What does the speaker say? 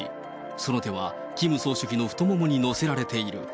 その手は、キム総書記の太ももに乗せられている。